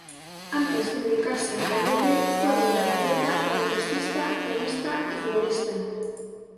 Antes de dedicarse al rugby fue un gran atleta, baloncestista, tenista y futbolista.